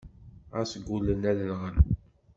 Ɣas gullen ad nɣen.